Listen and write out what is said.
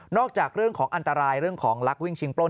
จากเรื่องของอันตรายเรื่องของลักวิ่งชิงปล้น